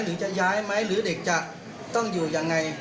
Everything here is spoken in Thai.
ถึงจะย้ายไหมหรือเด็กจะต้องอยู่ยังไง